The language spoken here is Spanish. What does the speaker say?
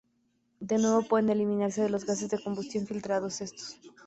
De nuevo, pueden eliminarse de los gases de combustión filtrando estos.